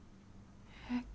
えっ？